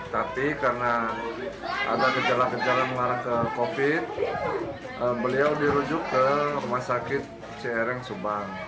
tapi karena ada gejala gejala mengarah ke covid beliau dirujuk ke rumah sakit crn subang